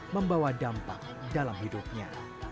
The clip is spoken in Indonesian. membawa dampak dalam hidupnya